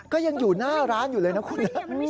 ก็ยังอยู่หน้าร้านอยู่เลยนะคุณนะ